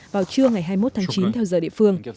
vào trưa ngày hai mươi một tháng chín theo giờ địa phương